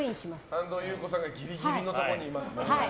安藤優子さんがぎりぎりのところにいますね。